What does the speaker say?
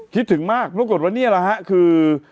คิดถึงมากปรากฏว่านี่แหละฮะคือ